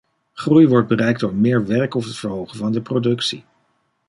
Groei wordt bereikt door meer werk of het verhogen van de productie.